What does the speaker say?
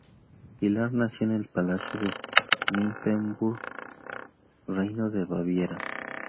Pilar nació en el palacio de Nymphenburg, Reino de Baviera.